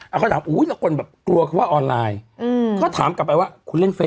เอาไปถามอู้ยแต่คนเกลียดชอบกลัวว่าออนไลน์